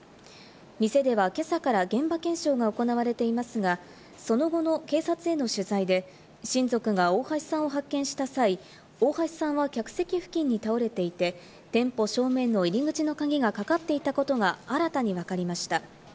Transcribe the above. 店では今朝から現場検証が行われていますが、その後の警察への取材で、親族が大橋さんを発見した際、大橋さんは客席付近に倒れていて、店舗正面の入り口の鍵がかかっていたことが新たにわかりました。